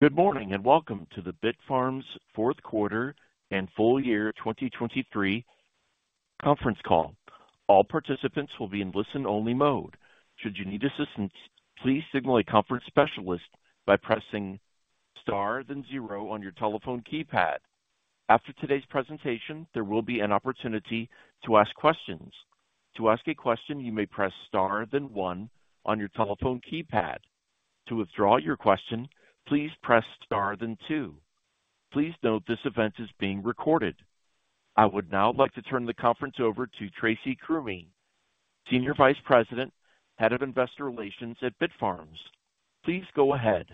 Good morning and welcome to the Bitfarms fourth quarter and full year 2023 conference call. All participants will be in listen-only mode. Should you need assistance, please signal a conference specialist by pressing star then 0 on your telephone keypad. After today's presentation, there will be an opportunity to ask questions. To ask a question, you may press star then one on your telephone keypad. To withdraw your question, please press star then two. Please note this event is being recorded. I would now like to turn the conference over to Tracy Krumme, Senior Vice President, Head of Investor Relations at Bitfarms. Please go ahead.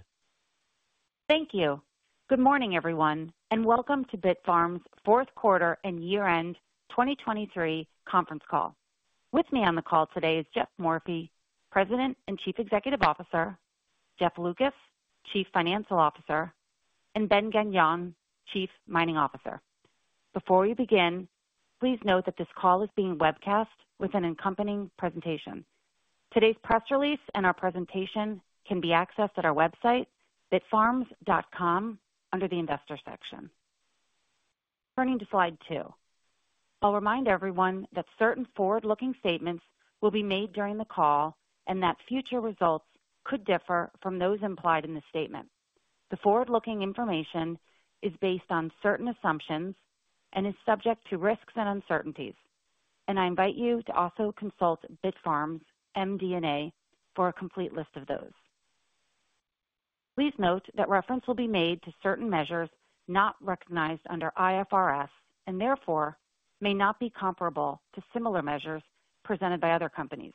Thank you. Good morning, everyone, and welcome to Bitfarms fourth quarter and year-end 2023 conference call. With me on the call today is Geoff Morphy, President and Chief Executive Officer; Jeff Lucas, Chief Financial Officer; and Ben Gagnon, Chief Mining Officer. Before we begin, please note that this call is being webcast with an accompanying presentation. Today's press release and our presentation can be accessed at our website, bitfarms.com, under the Investor section. Turning to slide two. I'll remind everyone that certain forward-looking statements will be made during the call and that future results could differ from those implied in the statement. The forward-looking information is based on certain assumptions and is subject to risks and uncertainties, and I invite you to also consult Bitfarms MD&A for a complete list of those. Please note that reference will be made to certain measures not recognized under IFRS and therefore may not be comparable to similar measures presented by other companies.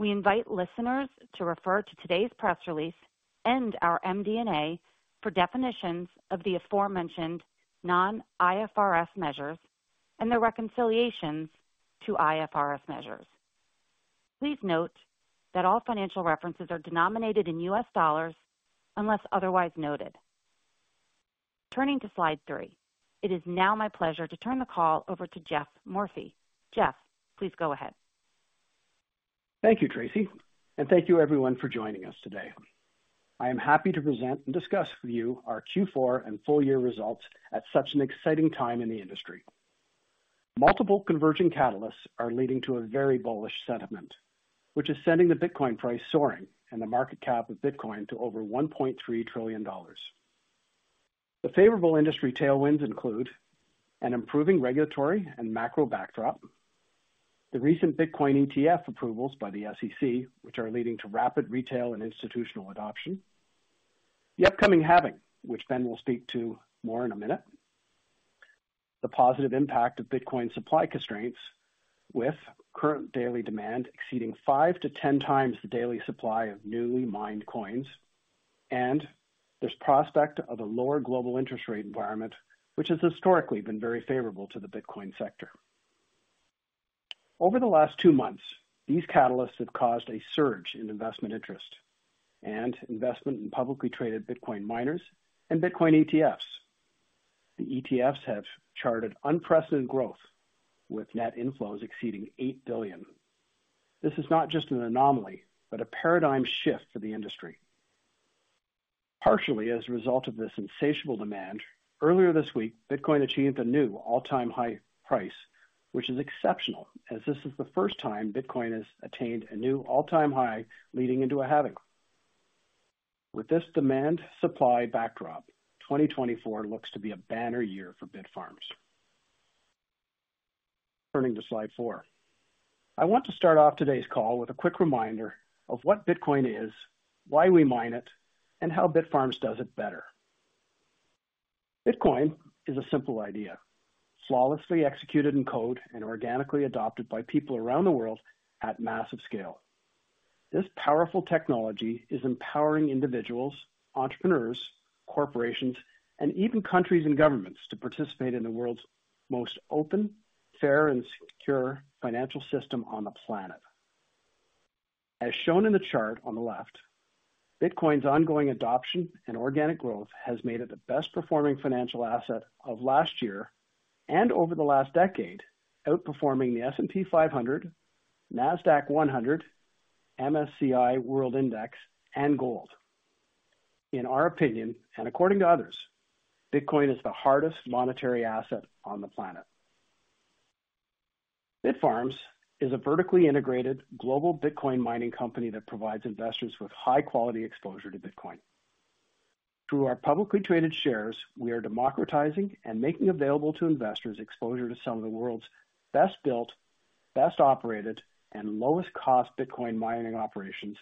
We invite listeners to refer to today's press release and our MD&A for definitions of the aforementioned non-IFRS measures and their reconciliations to IFRS measures. Please note that all financial references are denominated in U.S. dollars unless otherwise noted. Turning to slide three. It is now my pleasure to turn the call over to Geoff Morphy. Jeff, please go ahead. Thank you, Tracy, and thank you, everyone, for joining us today. I am happy to present and discuss with you our Q4 and full year results at such an exciting time in the industry. Multiple converging catalysts are leading to a very bullish sentiment, which is sending the Bitcoin price soaring and the market cap of Bitcoin to over $1.3 trillion. The favorable industry tailwinds include an improving regulatory and macro backdrop, the recent Bitcoin ETF approvals by the SEC, which are leading to rapid retail and institutional adoption, the upcoming Halving, which Ben will speak to more in a minute, the positive impact of Bitcoin supply constraints with current daily demand exceeding five to 10 times the daily supply of newly mined coins, and there's prospect of a lower global interest rate environment, which has historically been very favorable to the Bitcoin sector. Over the last two months, these catalysts have caused a surge in investment interest and investment in publicly traded Bitcoin miners and Bitcoin ETFs. The ETFs have charted unprecedented growth, with net inflows exceeding $8 billion. This is not just an anomaly but a paradigm shift for the industry. Partially as a result of this insatiable demand, earlier this week Bitcoin achieved a new all-time high price, which is exceptional as this is the first time Bitcoin has attained a new all-time high leading into a halving. With this demand-supply backdrop, 2024 looks to be a banner year for Bitfarms. Turning to slide four. I want to start off today's call with a quick reminder of what Bitcoin is, why we mine it, and how Bitfarms does it better. Bitcoin is a simple idea: flawlessly executed in code and organically adopted by people around the world at massive scale. This powerful technology is empowering individuals, entrepreneurs, corporations, and even countries and governments to participate in the world's most open, fair, and secure financial system on the planet. As shown in the chart on the left, Bitcoin's ongoing adoption and organic growth has made it the best-performing financial asset of last year and over the last decade, outperforming the S&P 500, NASDAQ 100, MSCI World Index, and gold. In our opinion, and according to others, Bitcoin is the hardest monetary asset on the planet. Bitfarms is a vertically integrated global Bitcoin mining company that provides investors with high-quality exposure to Bitcoin. Through our publicly traded shares, we are democratizing and making available to investors exposure to some of the world's best-built, best-operated, and lowest-cost Bitcoin mining operations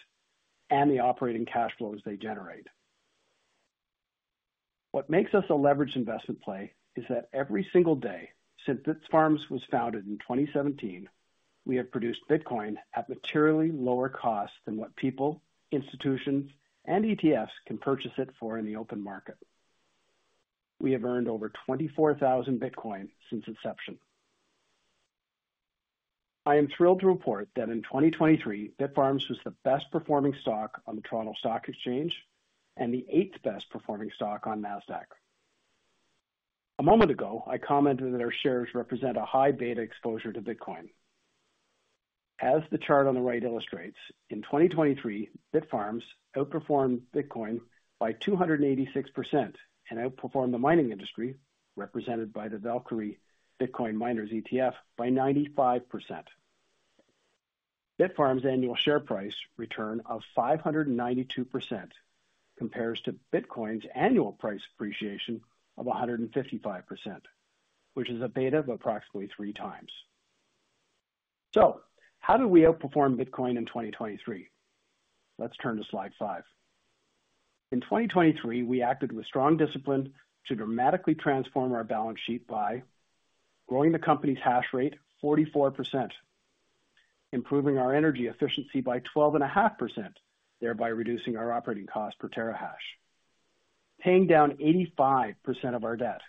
and the operating cash flows they generate. What makes us a leveraged investment play is that every single day since Bitfarms was founded in 2017, we have produced Bitcoin at materially lower costs than what people, institutions, and ETFs can purchase it for in the open market. We have earned over 24,000 Bitcoin since inception. I am thrilled to report that in 2023, Bitfarms was the best-performing stock on the Toronto Stock Exchange and the eighth-best-performing stock on NASDAQ. A moment ago, I commented that our shares represent a high beta exposure to Bitcoin. As the chart on the right illustrates, in 2023, Bitfarms outperformed Bitcoin by 286% and outperformed the mining industry, represented by the Valkyrie Bitcoin Miners ETF, by 95%. Bitfarms' annual share price return of 592% compares to Bitcoin's annual price appreciation of 155%, which is a beta of approximately 3x. So how did we outperform Bitcoin in 2023? Let's turn to slide five. In 2023, we acted with strong discipline to dramatically transform our balance sheet by: growing the company's hash rate 44%, improving our energy efficiency by 12.5%, thereby reducing our operating cost per terahash, paying down 85% of our debt,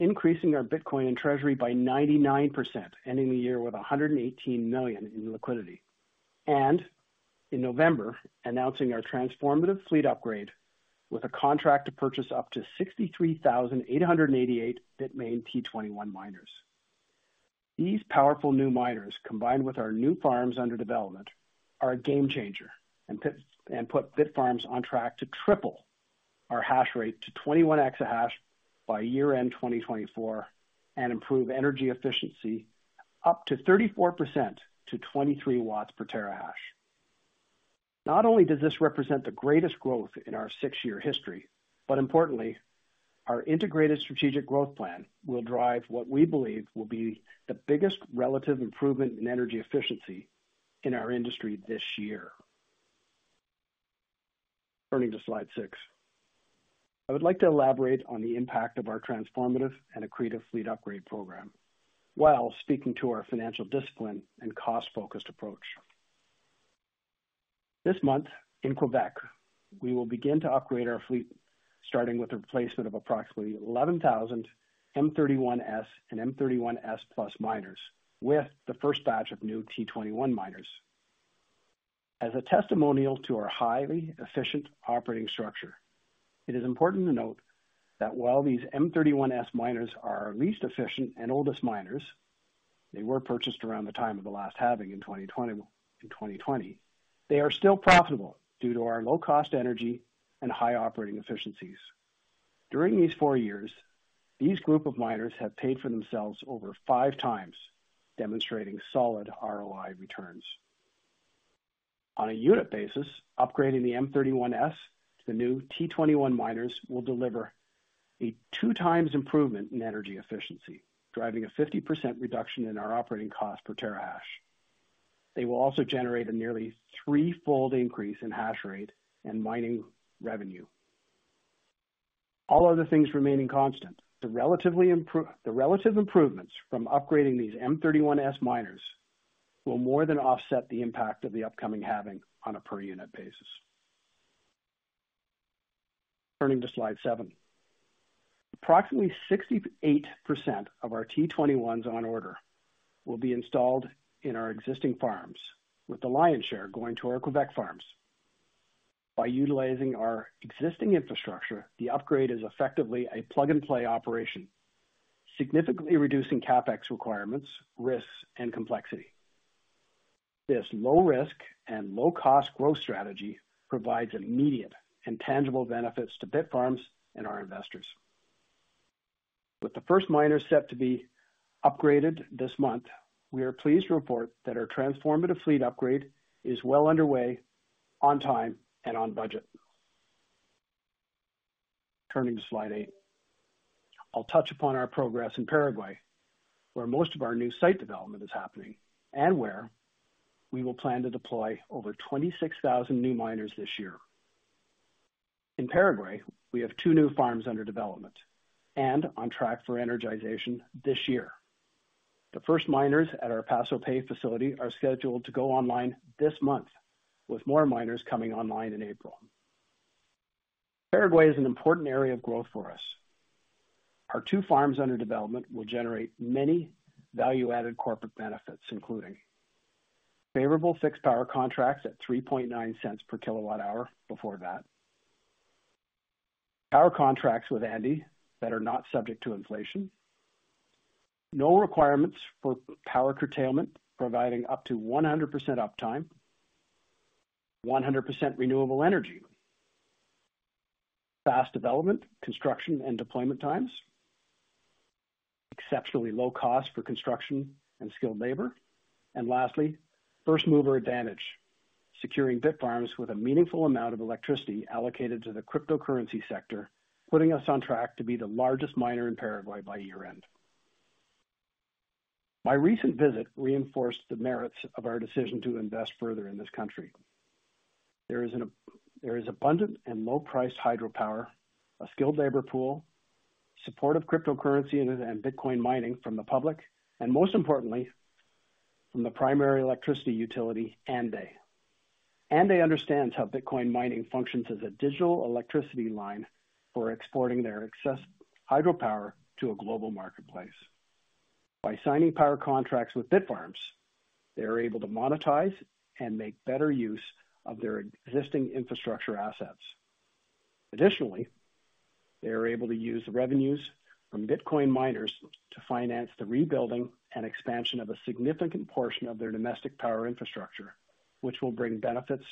increasing our Bitcoin in Treasury by 99%, ending the year with $118 million in liquidity, and, in November, announcing our transformative fleet upgrade with a contract to purchase up to 63,888 Bitmain T21 miners. These powerful new miners, combined with our new farms under development, are a game-changer and put Bitfarms on track to triple our hash rate to 21 exahash by year-end 2024 and improve energy efficiency up to 34% to 23 watts per terahash. Not only does this represent the greatest growth in our six-year history, but importantly, our integrated strategic growth plan will drive what we believe will be the biggest relative improvement in energy efficiency in our industry this year. Turning to slide six. I would like to elaborate on the impact of our transformative and accretive fleet upgrade program while speaking to our financial discipline and cost-focused approach. This month, in Quebec, we will begin to upgrade our fleet, starting with the replacement of approximately 11,000 M31S and M31S+ miners with the first batch of new T21 miners. As a testimonial to our highly efficient operating structure, it is important to note that while these M31S miners are our least efficient and oldest miners, they were purchased around the time of the last halving in 2020, they are still profitable due to our low-cost energy and high operating efficiencies. During these four years, these group of miners have paid for themselves over five times, demonstrating solid ROI returns. On a unit basis, upgrading the M31S to the new T21 miners will deliver a 2x improvement in energy efficiency, driving a 50% reduction in our operating cost per terahash. They will also generate a nearly threefold increase in hash rate and mining revenue. All other things remain constant. The relative improvements from upgrading these M31S miners will more than offset the impact of the upcoming halving on a per-unit basis. Turning to slide seven. Approximately 68% of our T21s on order will be installed in our existing farms, with the lion's share going to our Quebec farms. By utilizing our existing infrastructure, the upgrade is effectively a plug-and-play operation, significantly reducing CapEx requirements, risks, and complexity. This low-risk and low-cost growth strategy provides immediate and tangible benefits to Bitfarms and our investors. With the first miners set to be upgraded this month, we are pleased to report that our transformative fleet upgrade is well underway, on time, and on budget. Turning to slide eight. I'll touch upon our progress in Paraguay, where most of our new site development is happening and where we will plan to deploy over 26,000 new miners this year. In Paraguay, we have two new farms under development and on track for energization this year. The first miners at our Paso Pe facility are scheduled to go online this month, with more miners coming online in April. Paraguay is an important area of growth for us. Our two farms under development will generate many value-added corporate benefits, including: favorable fixed power contracts at $0.039 per kWh before VAT; power contracts with ANDE that are not subject to inflation; no requirements for power curtailment, providing up to 100% uptime; 100% renewable energy; fast development, construction, and deployment times; exceptionally low costs for construction and skilled labor; and lastly, first-mover advantage, securing Bitfarms with a meaningful amount of electricity allocated to the cryptocurrency sector, putting us on track to be the largest miner in Paraguay by year-end. My recent visit reinforced the merits of our decision to invest further in this country. There is abundant and low-priced hydropower, a skilled labor pool, supportive cryptocurrency and Bitcoin mining from the public, and most importantly, from the primary electricity utility, ANDE. ANDE understands how Bitcoin mining functions as a digital electricity line for exporting their excess hydropower to a global marketplace. By signing power contracts with Bitfarms, they are able to monetize and make better use of their existing infrastructure assets. Additionally, they are able to use revenues from Bitcoin miners to finance the rebuilding and expansion of a significant portion of their domestic power infrastructure, which will bring benefits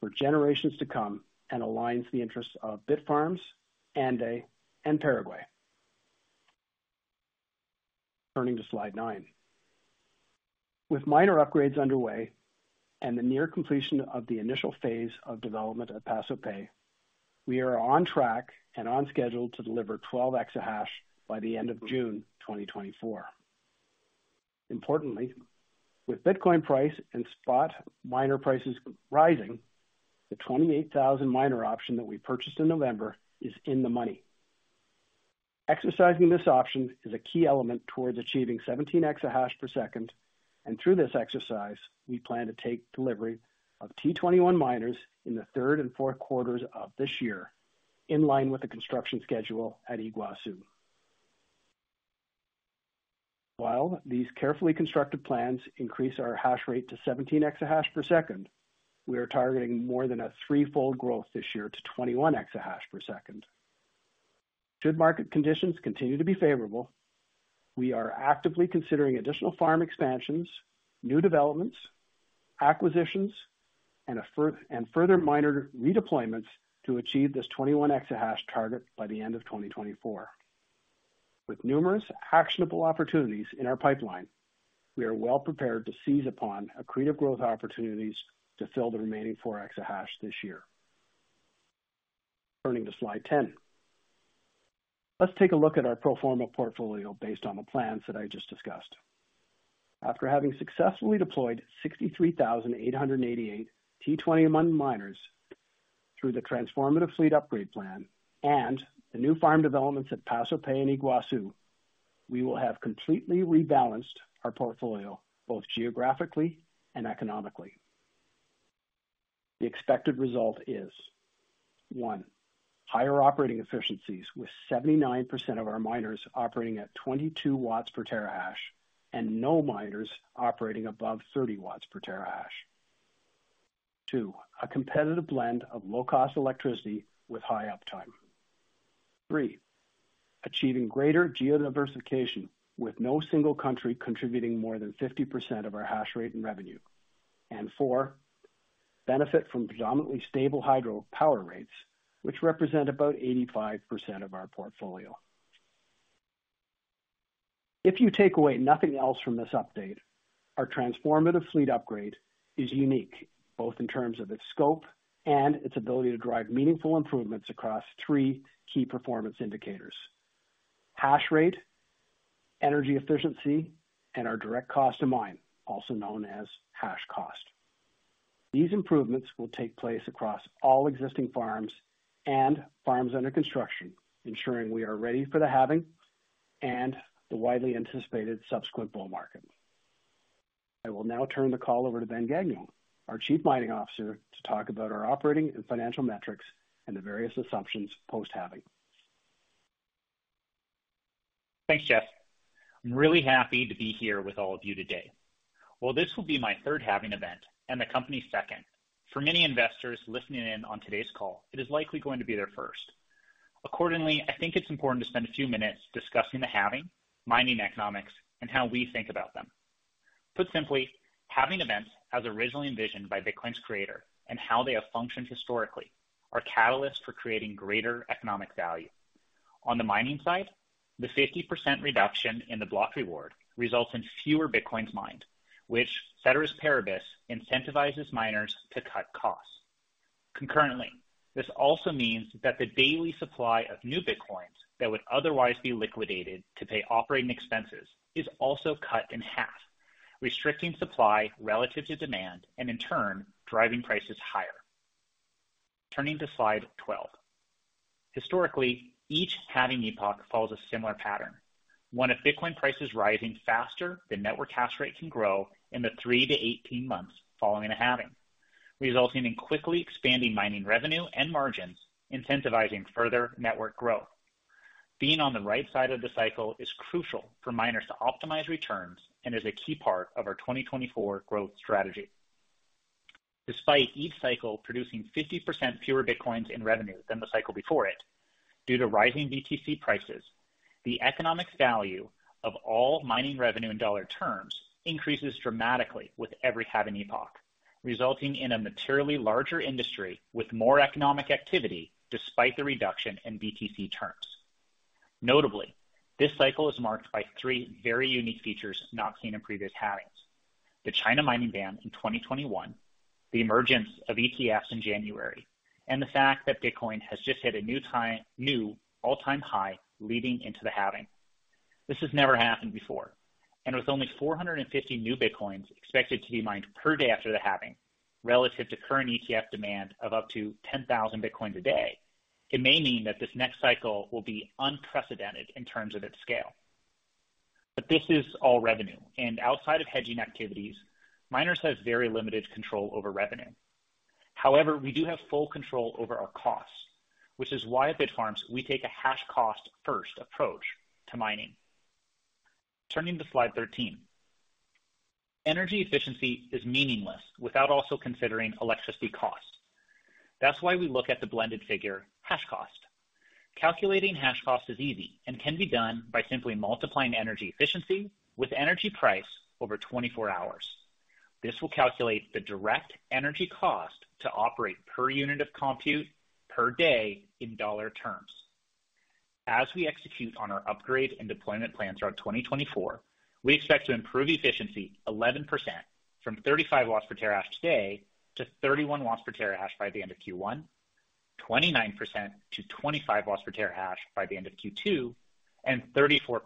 for generations to come and aligns the interests of Bitfarms, ANDE, and Paraguay. Turning to slide nine. With minor upgrades underway and the near completion of the initial phase of development at Paso Pe, we are on track and on schedule to deliver 12 exahash by the end of June 2024. Importantly, with Bitcoin price and spot miner prices rising, the 28,000 miner option that we purchased in November is in the money. Exercising this option is a key element towards achieving 17 exahash per second, and through this exercise, we plan to take delivery of T21 miners in the third and fourth quarters of this year, in line with the construction schedule at Yguazu. While these carefully constructed plans increase our hash rate to 17 exahash per second, we are targeting more than a threefold growth this year to 21 exahash per second. Should market conditions continue to be favorable, we are actively considering additional farm expansions, new developments, acquisitions, and further miner redeployments to achieve this 21 exahash target by the end of 2024. With numerous actionable opportunities in our pipeline, we are well prepared to seize upon accretive growth opportunities to fill the remaining 4 exahash this year. Turning to slide 10. Let's take a look at our pro forma portfolio based on the plans that I just discussed. After having successfully deployed 63,888 T21 miners through the transformative fleet upgrade plan and the new farm developments at Paso Pe and Yguazú, we will have completely rebalanced our portfolio both geographically and economically. The expected result is: One. Higher operating efficiencies, with 79% of our miners operating at 22 watts per terahash and no miners operating above 30 watts per terahash. Two. A competitive blend of low-cost electricity with high uptime. Three. Achieving greater geodiversification, with no single country contributing more than 50% of our hash rate and revenue. Four. Benefit from predominantly stable hydro power rates, which represent about 85% of our portfolio. If you take away nothing else from this update, our transformative fleet upgrade is unique, both in terms of its scope and its ability to drive meaningful improvements across three key performance indicators: hash rate, energy efficiency, and our direct cost to mine, also known as hash cost. These improvements will take place across all existing farms and farms under construction, ensuring we are ready for the halving and the widely anticipated subsequent bull market. I will now turn the call over to Ben Gagnon, our Chief Mining Officer, to talk about our operating and financial metrics and the various assumptions post-halving. Thanks, Geoff. I'm really happy to be here with all of you today. While this will be my third halving event and the company's second, for many investors listening in on today's call, it is likely going to be their first. Accordingly, I think it's important to spend a few minutes discussing the halving, mining economics, and how we think about them. Put simply, halving events, as originally envisioned by Bitcoin's creator and how they have functioned historically, are catalysts for creating greater economic value. On the mining side, the 50% reduction in the block reward results in fewer Bitcoins mined, which, Ceteris Paribus, incentivizes miners to cut costs. Concurrently, this also means that the daily supply of new Bitcoins that would otherwise be liquidated to pay operating expenses is also cut in half, restricting supply relative to demand and, in turn, driving prices higher. Turning to slide 12. Historically, each halving epoch follows a similar pattern: one of Bitcoin prices rising faster than network hash rate can grow in the three to 18 months following a halving, resulting in quickly expanding mining revenue and margins, incentivizing further network growth. Being on the right side of the cycle is crucial for miners to optimize returns and is a key part of our 2024 growth strategy. Despite each cycle producing 50% fewer Bitcoins in revenue than the cycle before it, due to rising BTC prices, the economic value of all mining revenue in dollar terms increases dramatically with every halving epoch, resulting in a materially larger industry with more economic activity despite the reduction in BTC terms. Notably, this cycle is marked by three very unique features not seen in previous halvings: the China mining ban in 2021, the emergence of ETFs in January, and the fact that Bitcoin has just hit a new all-time high leading into the halving. This has never happened before, and with only 450 new Bitcoins expected to be mined per day after the halving, relative to current ETF demand of up to 10,000 Bitcoins a day, it may mean that this next cycle will be unprecedented in terms of its scale. But this is all revenue, and outside of hedging activities, miners have very limited control over revenue. However, we do have full control over our costs, which is why at Bitfarms we take a hash cost-first approach to mining. Turning to slide 13. Energy efficiency is meaningless without also considering electricity costs. That's why we look at the blended figure, hash cost. Calculating hash cost is easy and can be done by simply multiplying energy efficiency with energy price over 24 hours. This will calculate the direct energy cost to operate per unit of compute per day in dollar terms. As we execute on our upgrade and deployment plan throughout 2024, we expect to improve efficiency 11% from 35 watts per terahash today to 31 watts per terahash by the end of Q1, 29% to 25 watts per terahash by the end of Q2, and 34%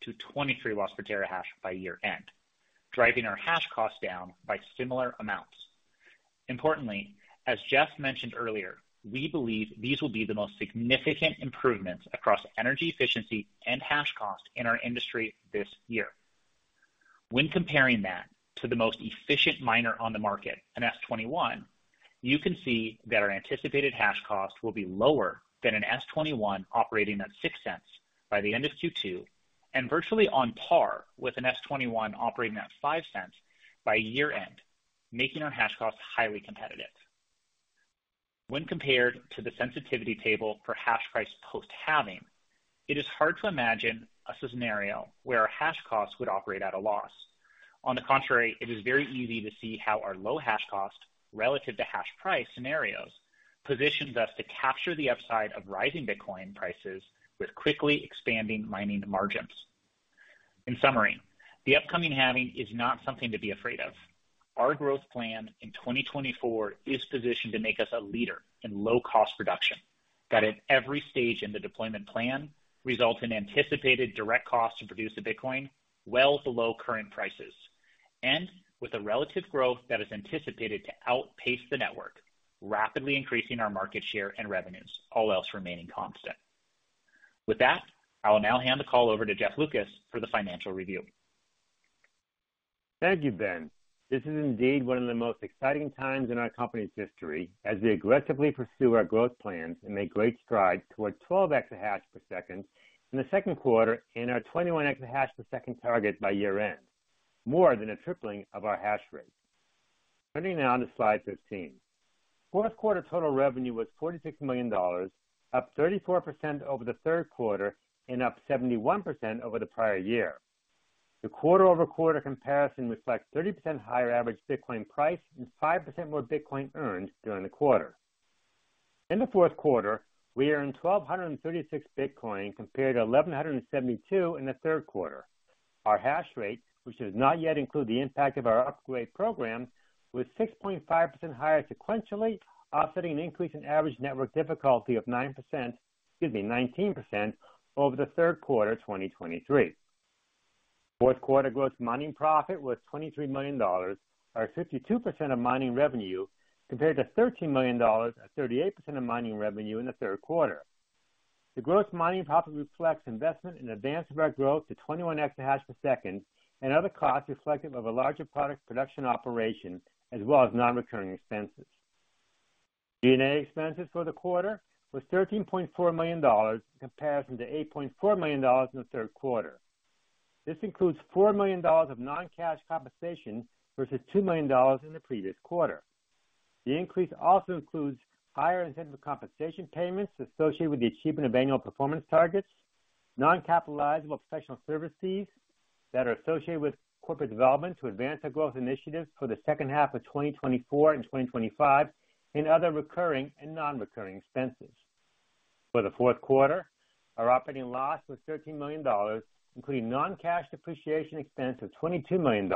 to 23 watts per terahash by year-end, driving our hash cost down by similar amounts. Importantly, as Geoff mentioned earlier, we believe these will be the most significant improvements across energy efficiency and hash cost in our industry this year. When comparing that to the most efficient miner on the market, an S21, you can see that our anticipated hash cost will be lower than an S21 operating at $0.06 by the end of Q2 and virtually on par with an S21 operating at $0.05 by year-end, making our hash cost highly competitive. When compared to the sensitivity table for hash price post-halving, it is hard to imagine a scenario where our hash cost would operate at a loss. On the contrary, it is very easy to see how our low hash cost relative to hash price scenarios positions us to capture the upside of rising Bitcoin prices with quickly expanding mining margins. In summary, the upcoming halving is not something to be afraid of. Our growth plan in 2024 is positioned to make us a leader in low-cost production that, at every stage in the deployment plan, results in anticipated direct costs to produce the Bitcoin well below current prices and with a relative growth that is anticipated to outpace the network, rapidly increasing our market share and revenues, all else remaining constant. With that, I will now hand the call over to Jeff Lucas for the financial review. Thank you, Ben. This is indeed one of the most exciting times in our company's history as we aggressively pursue our growth plans and make great strides toward 12x exahash per second in the second quarter and our 21x exahash per second target by year-end, more than a tripling of our hash rate. Turning now to slide 15. Fourth quarter total revenue was $46 million, up 34% over the third quarter and up 71% over the prior year. The quarter-over-quarter comparison reflects 30% higher average Bitcoin price and 5% more Bitcoin earned during the quarter. In the fourth quarter, we earned 1,236 Bitcoin compared to 1,172 in the third quarter. Our hash rate, which does not yet include the impact of our upgrade program, was 6.5% higher sequentially, offsetting an increase in average network difficulty of 19% over the third quarter 2023. Fourth quarter gross mining profit was $23 million, or 52% of mining revenue, compared to $13 million, or 38% of mining revenue, in the third quarter. The gross mining profit reflects investment in advancing our growth to 21 exahash per second and other costs reflective of a larger product production operation as well as non-recurring expenses. G&A expenses for the quarter were $13.4 million in comparison to $8.4 million in the third quarter. This includes $4 million of non-cash compensation versus $2 million in the previous quarter. The increase also includes higher incentive compensation payments associated with the achievement of annual performance targets, non-capitalizable professional service fees that are associated with corporate development to advance our growth initiatives for the second half of 2024 and 2025, and other recurring and non-recurring expenses. For the fourth quarter, our operating loss was $13 million, including non-cash depreciation expense of $22 million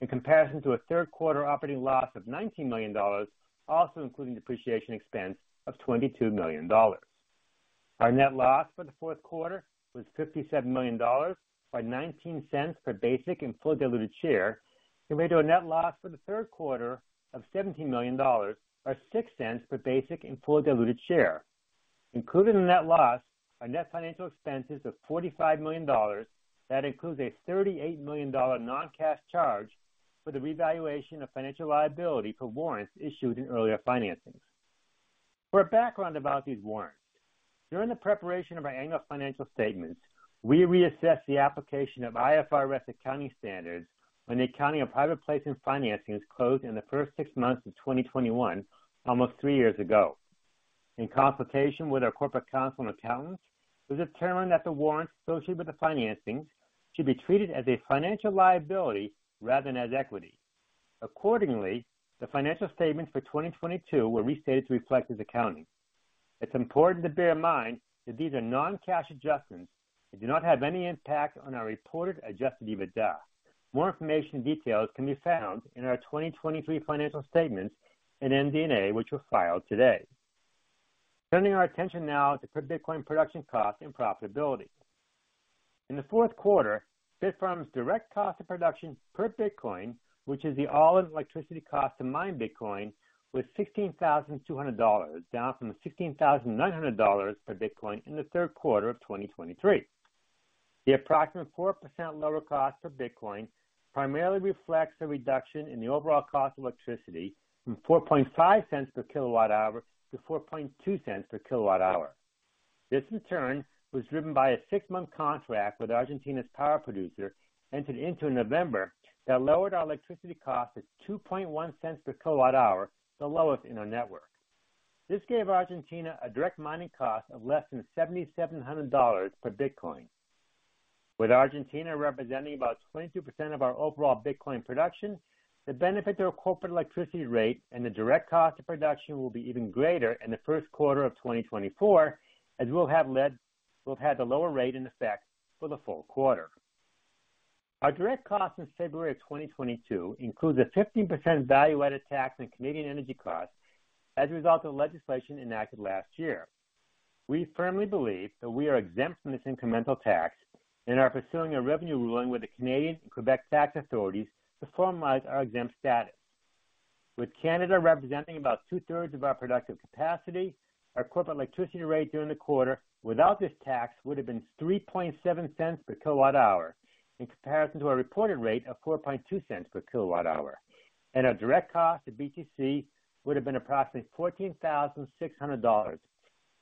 in comparison to a third quarter operating loss of $19 million, also including depreciation expense of $22 million. Our net loss for the fourth quarter was $57 million by $0.19 per basic and fully diluted share, compared to a net loss for the third quarter of $17 million or $0.06 per basic and fully diluted share. Included in the net loss are net financial expenses of $45 million that includes a $38 million non-cash charge for the revaluation of financial liability for warrants issued in earlier financings. For a background about these warrants, during the preparation of our annual financial statements, we reassessed the application of IFRS accounting standards when the accounting of private placement financings closed in the first six months of 2021, almost three years ago. In consultation with our corporate counsel and accountants, it was determined that the warrants associated with the financings should be treated as a financial liability rather than as equity. Accordingly, the financial statements for 2022 were restated to reflect this accounting. It's important to bear in mind that these are non-cash adjustments and do not have any impact on our reported adjusted EBITDA. More information and details can be found in our 2023 financial statements and MD&A, which were filed today. Turning our attention now to per Bitcoin production cost and profitability. In the fourth quarter, Bitfarms' direct cost of production per Bitcoin, which is the all-in electricity cost to mine Bitcoin, was $16,200, down from $16,900 per Bitcoin in the third quarter of 2023. The approximate 4% lower cost per Bitcoin primarily reflects a reduction in the overall cost of electricity from $0.045 per kWh to $0.042 per kWh. This, in turn, was driven by a six-month contract with Argentina's power producer entered into in November that lowered our electricity cost to $0.021 per kWh, the lowest in our network. This gave Argentina a direct mining cost of less than $7,700 per Bitcoin. With Argentina representing about 22% of our overall Bitcoin production, the benefit to our corporate electricity rate and the direct cost of production will be even greater in the first quarter of 2024, as we'll have had the lower rate in effect for the full quarter. Our direct cost in February of 2022 includes a 15% value-added tax on Canadian energy costs as a result of legislation enacted last year. We firmly believe that we are exempt from this incremental tax and are pursuing a revenue ruling with the Canadian and Quebec tax authorities to formalize our exempt status. With Canada representing about two-thirds of our productive capacity, our corporate electricity rate during the quarter without this tax would have been $0.37 per kWh in comparison to our reported rate of $0.42 per kWh, and our direct cost to BTC would have been approximately $14,600,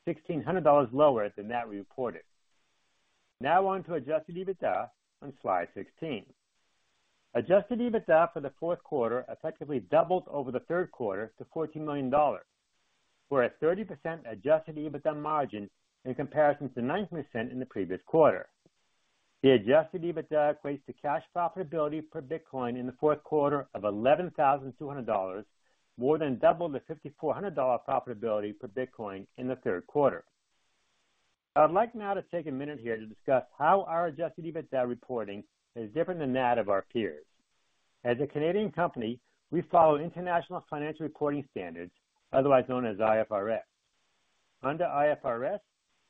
$1,600 lower than that we reported. Now on to adjusted EBITDA on slide 16. Adjusted EBITDA for the fourth quarter effectively doubled over the third quarter to $14 million, for a 30% adjusted EBITDA margin in comparison to 9% in the previous quarter. The adjusted EBITDA equates to cash profitability per Bitcoin in the fourth quarter of $11,200, more than double the $5,400 profitability per Bitcoin in the third quarter. I would like now to take a minute here to discuss how our adjusted EBITDA reporting is different than that of our peers. As a Canadian company, we follow international financial reporting standards, otherwise known as IFRS. Under IFRS,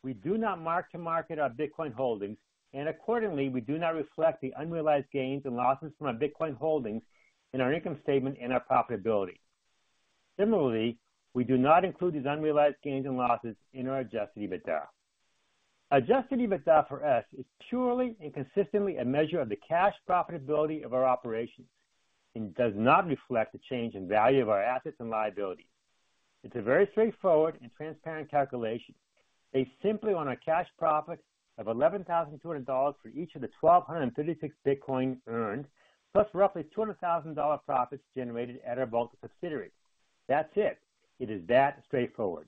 we do not mark to market our Bitcoin holdings, and accordingly, we do not reflect the unrealized gains and losses from our Bitcoin holdings in our income statement and our profitability. Similarly, we do not include these unrealized gains and losses in our Adjusted EBITDA. Adjusted EBITDA for us is purely and consistently a measure of the cash profitability of our operations and does not reflect the change in value of our assets and liabilities. It's a very straightforward and transparent calculation. Based simply on our cash profit of $11,200 for each of the 1,236 Bitcoin earned, plus roughly $200,000 profits generated at our Volta subsidiaries, that's it. It is that straightforward.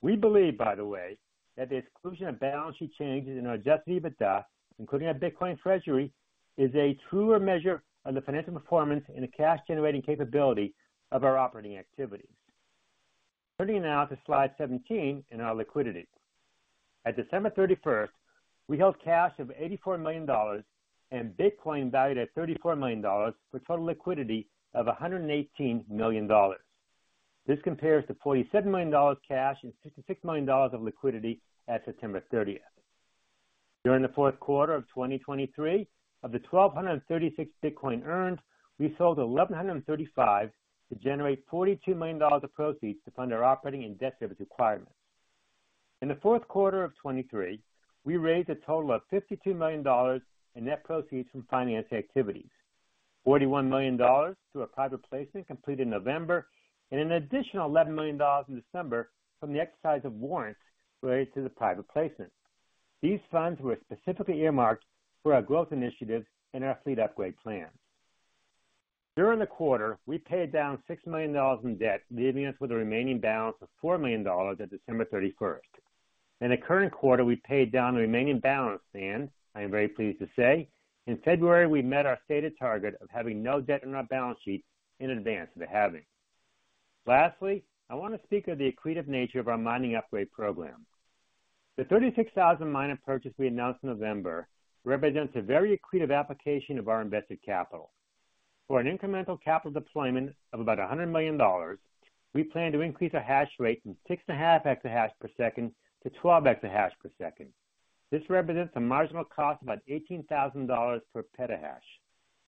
We believe, by the way, that the exclusion of balance sheet changes in our Adjusted EBITDA, including our Bitcoin treasury, is a truer measure of the financial performance and the cash-generating capability of our operating activities. Turning now to slide 17 in our liquidity. At December 31st, we held cash of $84 million and Bitcoin valued at $34 million for total liquidity of $118 million. This compares to $47 million cash and $56 million of liquidity at September 30th. During the fourth quarter of 2023, of the 1,236 Bitcoin earned, we sold 1,135 to generate $42 million of proceeds to fund our operating and debt service requirements. In the fourth quarter of 2023, we raised a total of $52 million in net proceeds from finance activities, $41 million through a private placement completed in November, and an additional $11 million in December from the exercise of warrants related to the private placement. These funds were specifically earmarked for our growth initiatives and our fleet upgrade plans. During the quarter, we paid down $6 million in debt, leaving us with a remaining balance of $4 million at December 31st. In the current quarter, we paid down the remaining balance, I am very pleased to say. In February, we met our stated target of having no debt on our balance sheet in advance of the halving. Lastly, I want to speak of the accretive nature of our mining upgrade program. The 36,000 miner purchase we announced in November represents a very accretive application of our invested capital. For an incremental capital deployment of about $100 million, we plan to increase our hash rate from 6.5 exahash per second to 12 exahash per second. This represents a marginal cost of about $18,000 per petahash.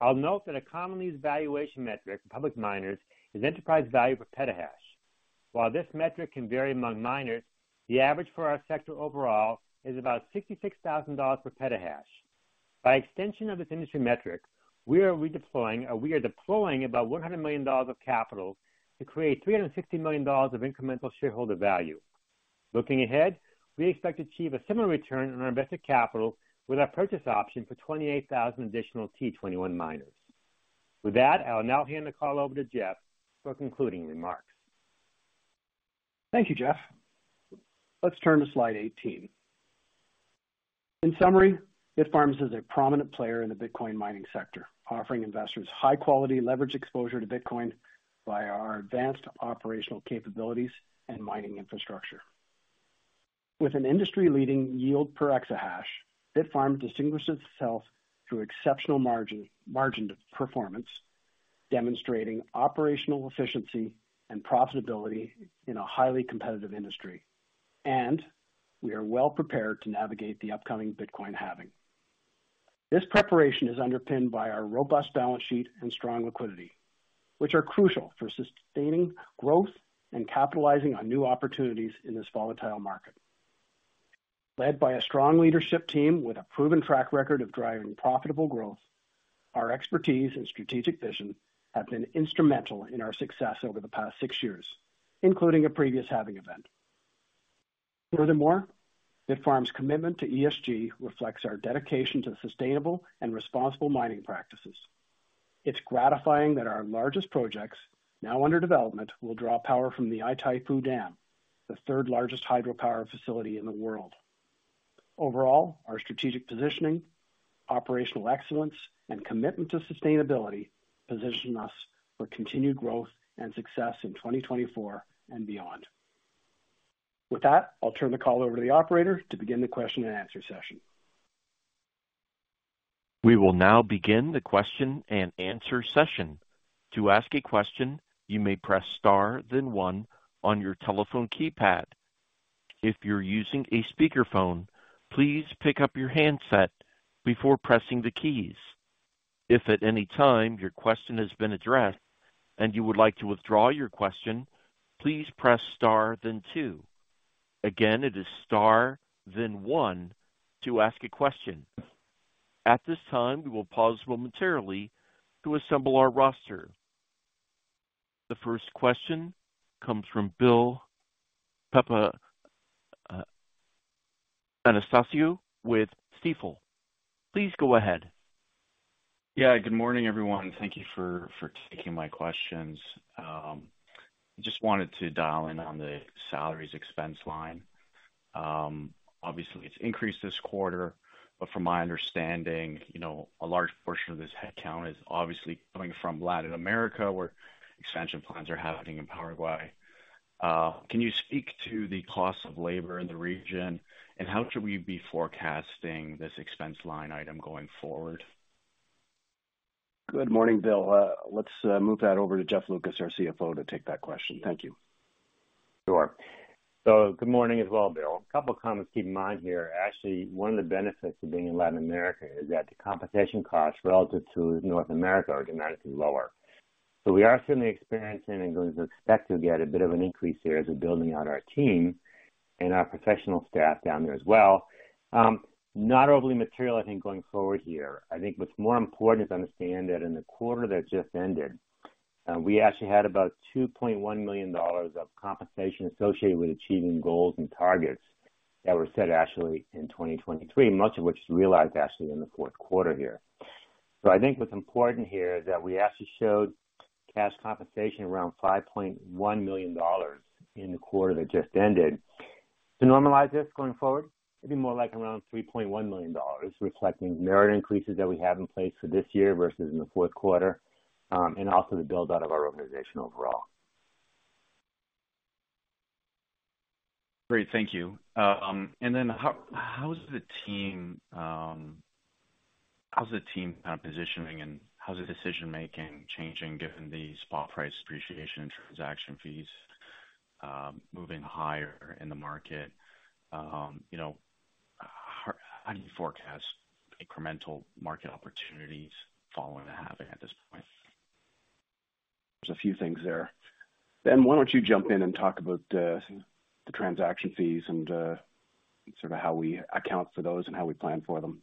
I'll note that a commonly used valuation metric for public miners is enterprise value per petahash. While this metric can vary among miners, the average for our sector overall is about $66,000 per petahash. By extension of this industry metric, we are deploying about $100 million of capital to create $360 million of incremental shareholder value. Looking ahead, we expect to achieve a similar return on our invested capital with our purchase option for 28,000 additional T21 miners. With that, I will now hand the call over to Geoff for concluding remarks. Thank you, Jeff. Let's turn to slide 18. In summary, Bitfarms is a prominent player in the Bitcoin mining sector, offering investors high-quality leverage exposure to Bitcoin via our advanced operational capabilities and mining infrastructure. With an industry-leading yield per Exahash, Bitfarms distinguishes itself through exceptional margin to performance, demonstrating operational efficiency and profitability in a highly competitive industry, and we are well prepared to navigate the upcoming Bitcoin halving. This preparation is underpinned by our robust balance sheet and strong liquidity, which are crucial for sustaining growth and capitalizing on new opportunities in this volatile market. Led by a strong leadership team with a proven track record of driving profitable growth, our expertise and strategic vision have been instrumental in our success over the past six years, including a previous halving event. Furthermore, Bitfarms's commitment to ESG reflects our dedication to sustainable and responsible mining practices. It's gratifying that our largest projects, now under development, will draw power from the Itaipu Dam, the third-largest hydropower facility in the world. Overall, our strategic positioning, operational excellence, and commitment to sustainability position us for continued growth and success in 2024 and beyond. With that, I'll turn the call over to the operator to begin the question-and-answer session. We will now begin the question-and-answer session. To ask a question, you may press star, then one, on your telephone keypad. If you're using a speakerphone, please pick up your handset before pressing the keys. If at any time your question has been addressed and you would like to withdraw your question, please press star, then two. Again, it is star, then one, to ask a question. At this time, we will pause momentarily to assemble our roster. The first question comes from Bill Papanastasiou with Stifel. Please go ahead. Yeah, good morning, everyone. Thank you for taking my questions. I just wanted to dial in on the salaries expense line. Obviously, it's increased this quarter, but from my understanding, a large portion of this headcount is obviously coming from Latin America, where expansion plans are happening in Paraguay. Can you speak to the cost of labor in the region, and how should we be forecasting this expense line item going forward? Good morning, Bill. Let's move that over to Jeff Lucas, our CFO, to take that question. Thank you. Sure. So good morning as well, Bill. A couple of comments to keep in mind here. Actually, one of the benefits of being in Latin America is that the compensation costs relative to North America are dramatically lower. So we are certainly experiencing and going to expect to get a bit of an increase here as we're building out our team and our professional staff down there as well. Not overly material, I think, going forward here. I think what's more important is to understand that in the quarter that just ended, we actually had about $2.1 million of compensation associated with achieving goals and targets that were set, actually, in 2023, much of which is realized, actually, in the fourth quarter here. So I think what's important here is that we actually showed cash compensation around $5.1 million in the quarter that just ended. To normalize this going forward, it'd be more like around $3.1 million, reflecting merit increases that we have in place for this year versus in the fourth quarter and also the build-out of our organization overall. Great. Thank you. And then how's the team kind of positioning, and how's the decision-making changing given the spot price appreciation and transaction fees moving higher in the market? How do you forecast incremental market opportunities following the halving at this point? There's a few things there. Ben, why don't you jump in and talk about the transaction fees and sort of how we account for those and how we plan for them?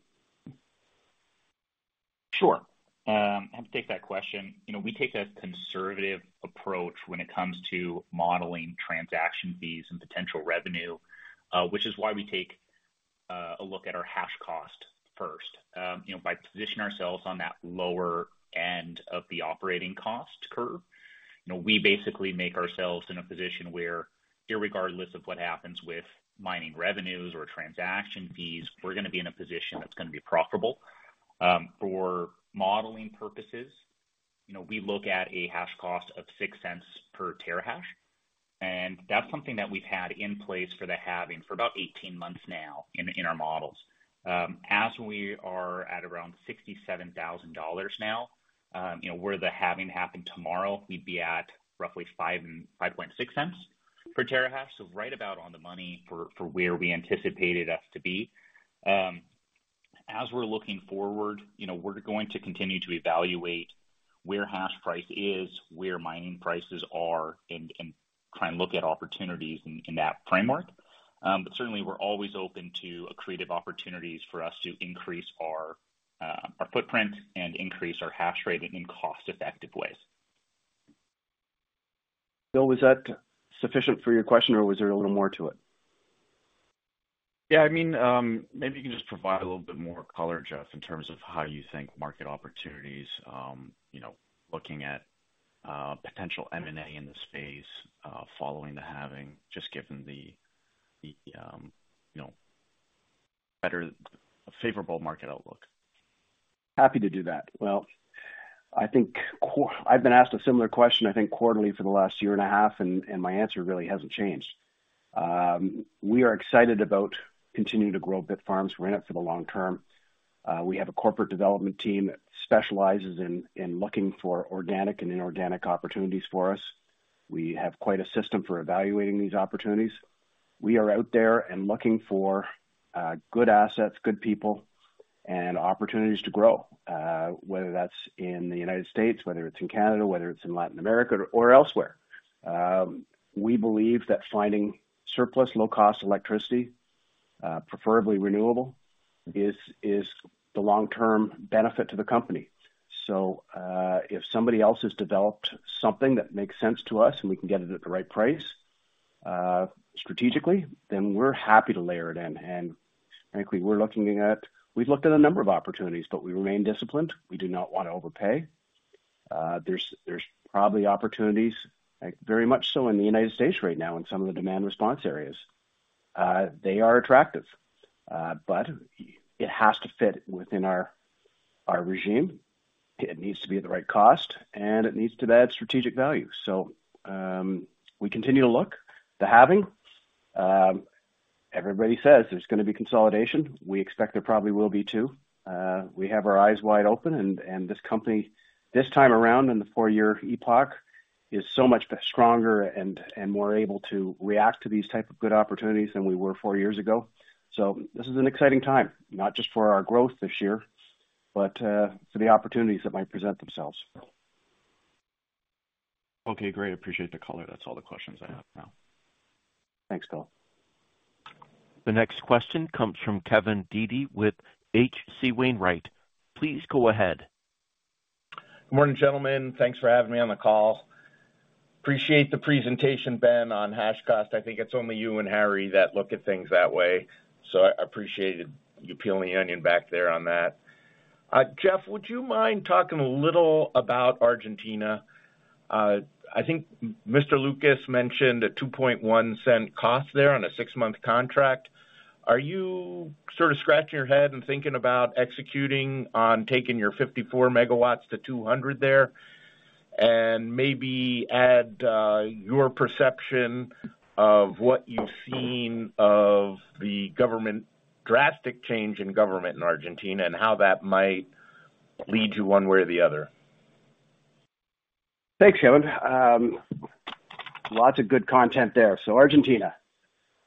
Sure. I'll have to take that question. We take a conservative approach when it comes to modeling transaction fees and potential revenue, which is why we take a look at our hash cost first. By positioning ourselves on that lower end of the operating cost curve, we basically make ourselves in a position where, regardless of what happens with mining revenues or transaction fees, we're going to be in a position that's going to be profitable. For modeling purposes, we look at a hash cost of $0.06 per terahash, and that's something that we've had in place for the halving for about 18 months now in our models. As we are at around $67,000 now, where the halving happened tomorrow, we'd be at roughly $0.056 per terahash, so right about on the money for where we anticipated us to be. As we're looking forward, we're going to continue to evaluate where hash price is, where mining prices are, and try and look at opportunities in that framework. But certainly, we're always open to creative opportunities for us to increase our footprint and increase our hash rate in cost-effective ways. Bill, was that sufficient for your question, or was there a little more to it? Yeah, I mean, maybe you can just provide a little bit more color, Jeff, in terms of how you think market opportunities, looking at potential M&A in the space following the Halving, just given the better, favorable market outlook. Happy to do that. Well, I've been asked a similar question, I think, quarterly for the last year and a half, and my answer really hasn't changed. We are excited about continuing to grow Bitfarms. We're in it for the long term. We have a corporate development team that specializes in looking for organic and inorganic opportunities for us. We have quite a system for evaluating these opportunities. We are out there and looking for good assets, good people, and opportunities to grow, whether that's in the United States, whether it's in Canada, whether it's in Latin America, or elsewhere. We believe that finding surplus, low-cost electricity, preferably renewable, is the long-term benefit to the company. So if somebody else has developed something that makes sense to us and we can get it at the right price strategically, then we're happy to layer it in. And frankly, we've looked at a number of opportunities, but we remain disciplined. We do not want to overpay. There's probably opportunities, very much so in the United States right now in some of the demand response areas. They are attractive, but it has to fit within our regime. It needs to be at the right cost, and it needs to add strategic value. So we continue to look. The halving, everybody says there's going to be consolidation. We expect there probably will be, too. We have our eyes wide open, and this company this time around in the four-year epoch is so much stronger and more able to react to these types of good opportunities than we were four years ago. So this is an exciting time, not just for our growth this year, but for the opportunities that might present themselves. Okay. Great. Appreciate the color. That's all the questions I have now. Thanks, Bill. The next question comes from Kevin Dede with H.C. Wainwright. Please go ahead. Good morning, gentlemen. Thanks for having me on the call. Appreciate the presentation, Ben, on hash cost. I think it's only you and Harry that look at things that way, so I appreciated you peeling the onion back there on that. Jeff, would you mind talking a little about Argentina? I think Mr. Lucas mentioned a $0.021 cost there on a six-month contract. Are you sort of scratching your head and thinking about executing on taking your 54 MW to 200 MW there and maybe add your perception of what you've seen of the drastic change in government in Argentina and how that might lead you one way or the other? Thanks, Kevin. Lots of good content there. Argentina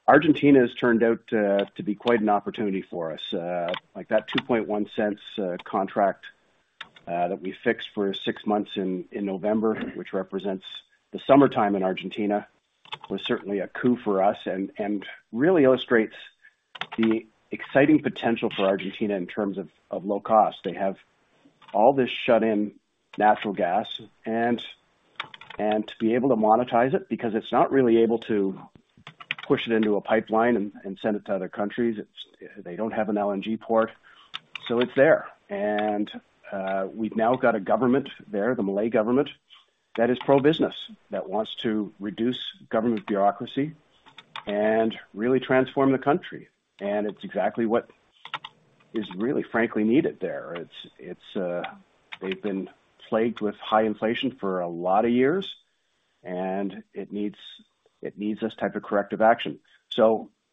has turned out to be quite an opportunity for us. That $0.021 contract that we fixed for six months in November, which represents the summertime in Argentina, was certainly a coup for us and really illustrates the exciting potential for Argentina in terms of low cost. They have all this shut-in natural gas, and to be able to monetize it because it's not really able to push it into a pipeline and send it to other countries, they don't have an LNG port. So it's there. We've now got a government there, the Milei government, that is pro-business, that wants to reduce government bureaucracy and really transform the country. It's exactly what is really, frankly, needed there. They've been plagued with high inflation for a lot of years, and it needs this type of corrective action.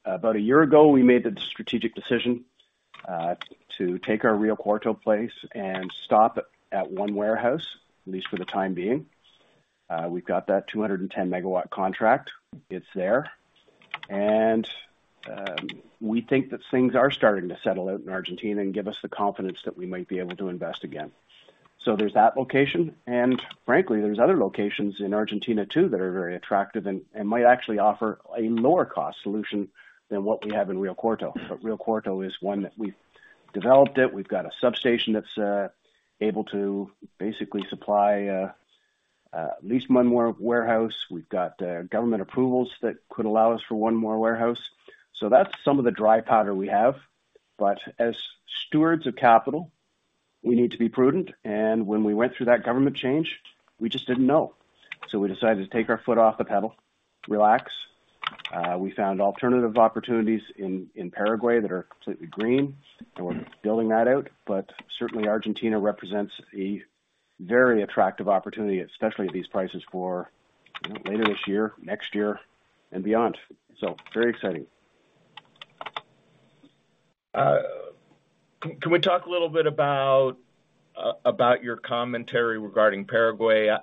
About a year ago, we made the strategic decision to take our Río Cuarto place and stop at one warehouse, at least for the time being. We've got that 210 MW contract. It's there. We think that things are starting to settle out in Argentina and give us the confidence that we might be able to invest again. There's that location. Frankly, there's other locations in Argentina, too, that are very attractive and might actually offer a lower-cost solution than what we have in Río Cuarto. But Río Cuarto is one that we've developed. We've got a substation that's able to basically supply at least one more warehouse. We've got government approvals that could allow us for one more warehouse. So that's some of the dry powder we have. But as stewards of capital, we need to be prudent. And when we went through that government change, we just didn't know. So we decided to take our foot off the pedal, relax. We found alternative opportunities in Paraguay that are completely green, and we're building that out. But certainly, Argentina represents a very attractive opportunity, especially at these prices for later this year, next year, and beyond. So very exciting. Can we talk a little bit about your commentary regarding Paraguay?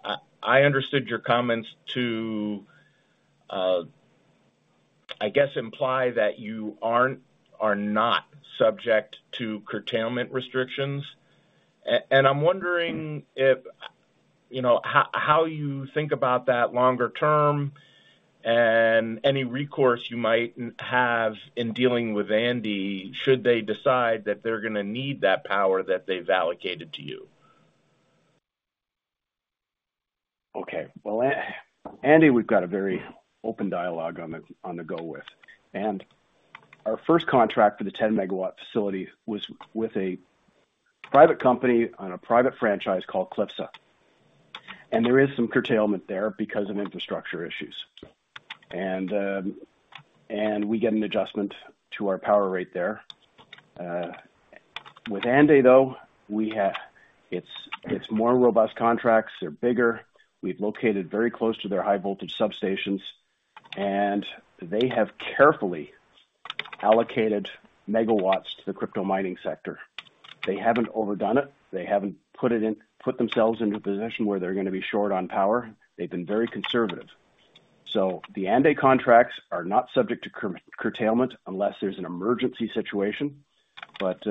I understood your comments to, I guess, imply that you are not subject to curtailment restrictions. I'm wondering how you think about that longer term and any recourse you might have in dealing with ANDE should they decide that they're going to need that power that they've allocated to you. Okay. Well, ANDE, we've got a very open dialogue on the go with. And our first contract for the 10-MW facility was with a private company on a private franchise called CLYFSA. And there is some curtailment there because of infrastructure issues. And we get an adjustment to our power rate there. With ANDE, though, it's more robust contracts. They're bigger. We've located very close to their high-voltage substations, and they have carefully allocated MW to the crypto mining sector. They haven't overdone it. They haven't put themselves into a position where they're going to be short on power. They've been very conservative. So the ANDE contracts are not subject to curtailment unless there's an emergency situation. But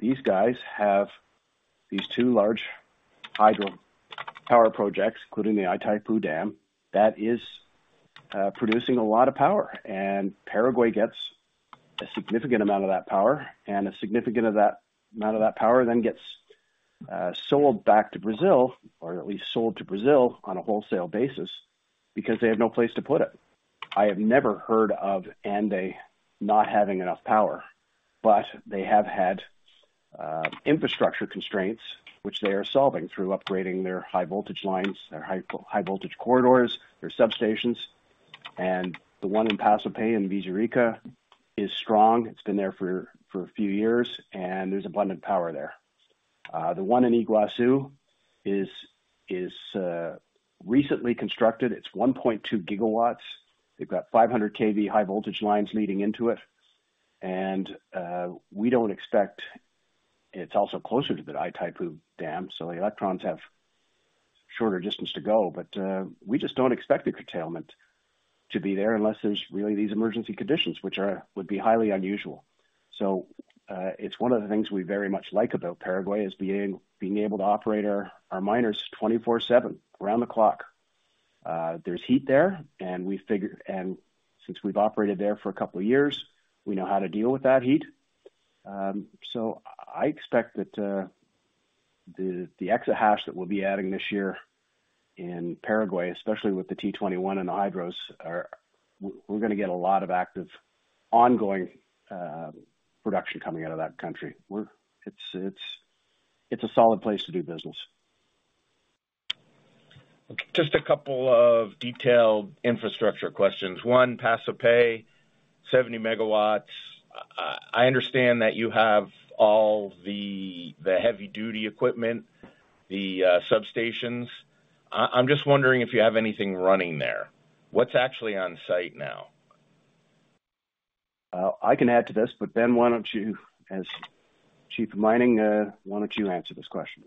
these guys have these two large hydro power projects, including the Itaipu Dam, that is producing a lot of power. And Paraguay gets a significant amount of that power, and a significant amount of that power then gets sold back to Brazil or at least sold to Brazil on a wholesale basis because they have no place to put it. I have never heard of ANDE not having enough power, but they have had infrastructure constraints, which they are solving through upgrading their high-voltage lines, their high-voltage corridors, their substations. And the one in Paso Pe in Villarrica is strong. It's been there for a few years, and there's abundant power there. The one in Yguazu is recently constructed. It's 1.2 GW. They've got 500 kV high-voltage lines leading into it. We don't expect it's also closer to the Itaipu Dam, so electrons have shorter distance to go. But we just don't expect the curtailment to be there unless there's really these emergency conditions, which would be highly unusual. So it's one of the things we very much like about Paraguay is being able to operate our miners 24/7, around the clock. There's heat there, and since we've operated there for a couple of years, we know how to deal with that heat. So I expect that the exahash that we'll be adding this year in Paraguay, especially with the T21 and the hydros, we're going to get a lot of active, ongoing production coming out of that country. It's a solid place to do business. Just a couple of detailed infrastructure questions. One, Paso Pe, 70 MW. I understand that you have all the heavy-duty equipment, the substations. I'm just wondering if you have anything running there. What's actually on site now? I can add to this, but Ben, why don't you, as chief of mining, why don't you answer this question?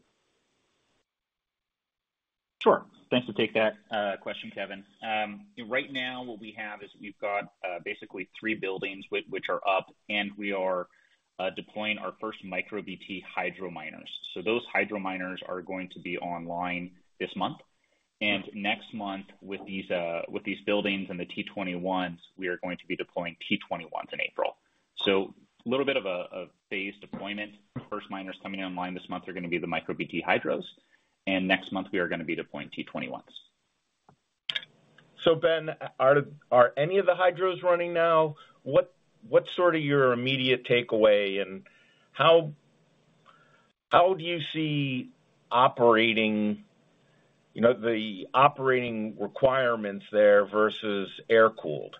Sure. Thanks to take that question, Kevin. Right now, what we have is we've got basically three buildings, which are up, and we are deploying our first MicroBT hydro miners. So those hydro miners are going to be online this month. And next month, with these buildings and the T21s, we are going to be deploying T21s in April. So a little bit of a phased deployment. The first miners coming online this month are going to be the MicroBT hydros. And next month, we are going to be deploying T21s. So Ben, are any of the hydros running now? What's sort of your immediate takeaway, and how do you see operating the operating requirements there versus air-cooled?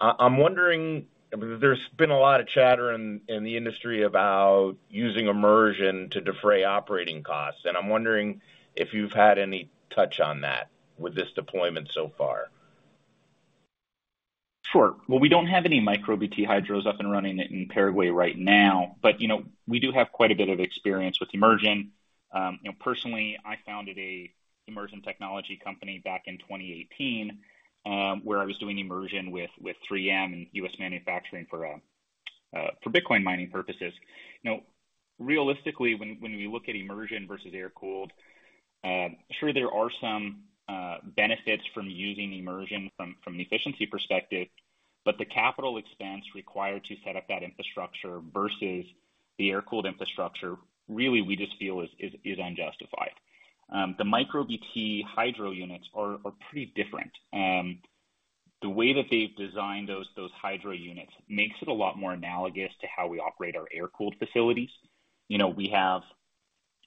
I'm wondering, there's been a lot of chatter in the industry about using immersion to defray operating costs. And I'm wondering if you've had any touch on that with this deployment so far. Sure. Well, we don't have any MicroBT hydros up and running in Paraguay right now, but we do have quite a bit of experience with immersion. Personally, I founded an immersion technology company back in 2018 where I was doing immersion with 3M and U.S. Manufacturing for Bitcoin mining purposes. Realistically, when we look at immersion versus air-cooled, sure, there are some benefits from using immersion from an efficiency perspective, but the capital expense required to set up that infrastructure versus the air-cooled infrastructure, really, we just feel is unjustified. The MicroBT hydro units are pretty different. The way that they've designed those hydro units makes it a lot more analogous to how we operate our air-cooled facilities. We have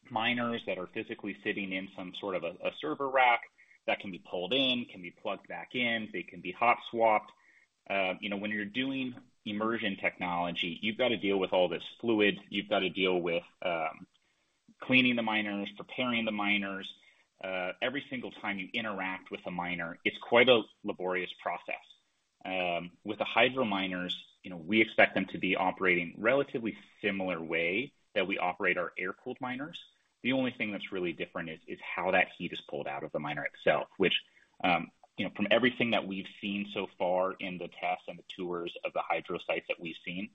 miners that are physically sitting in some sort of a server rack that can be pulled in, can be plugged back in, they can be hot-swapped. When you're doing immersion technology, you've got to deal with all this fluid. You've got to deal with cleaning the miners, preparing the miners. Every single time you interact with a miner, it's quite a laborious process. With the hydro miners, we expect them to be operating relatively similar way that we operate our air-cooled miners. The only thing that's really different is how that heat is pulled out of the miner itself, which, from everything that we've seen so far in the tests and the tours of the hydro sites that we've seen,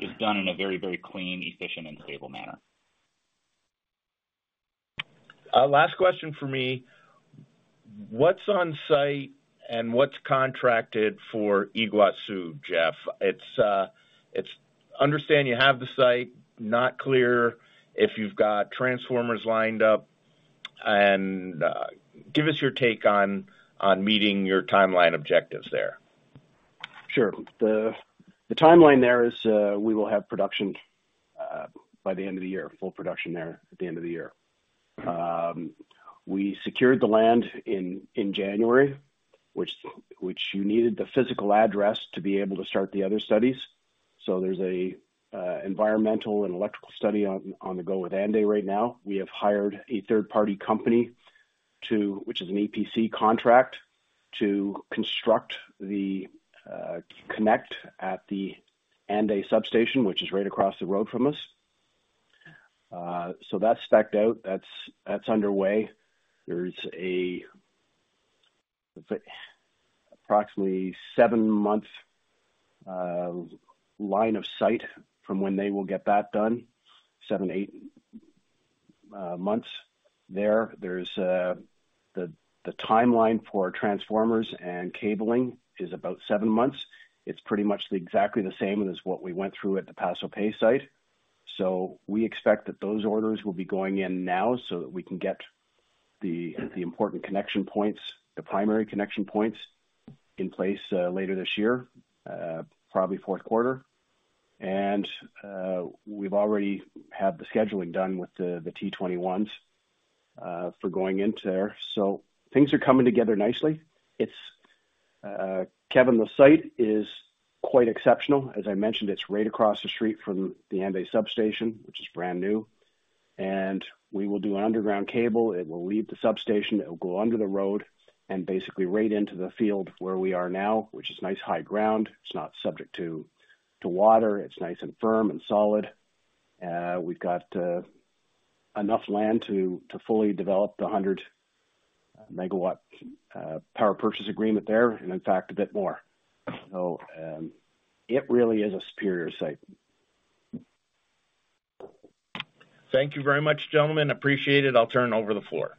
is done in a very, very clean, efficient, and stable manner. Last question for me. What's on site and what's contracted for Yguazú, Jeff? I understand you have the site, not clear if you've got transformers lined up. And give us your take on meeting your timeline objectives there. Sure. The timeline there is we will have production by the end of the year, full production there at the end of the year. We secured the land in January, which you needed the physical address to be able to start the other studies. So there's an environmental and electrical study on the go with ANDE right now. We have hired a third-party company, which is an EPC contract, to construct the connection at the ANDE substation, which is right across the road from us. So that's sorted out. That's underway. There's an approximately seven-month line of sight from when they will get that done, 7-8 months there. The timeline for transformers and cabling is about seven months. It's pretty much exactly the same as what we went through at the Paso Pe site. So we expect that those orders will be going in now so that we can get the important connection points, the primary connection points, in place later this year, probably fourth quarter. And we've already had the scheduling done with the T21s for going into there. So things are coming together nicely. Kevin, the site is quite exceptional. As I mentioned, it's right across the street from the ANDE substation, which is brand new. We will do an underground cable. It will leave the substation. It will go under the road and basically right into the field where we are now, which is nice high ground. It's not subject to water. It's nice and firm and solid. We've got enough land to fully develop the 100-MW power purchase agreement there and, in fact, a bit more. So it really is a superior site. Thank you very much, gentlemen. Appreciate it. I'll turn over the floor.